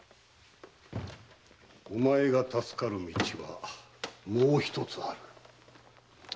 お前が助かる道はもう一つある。